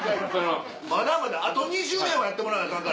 まだまだあと２０年はやってもらわなアカンから。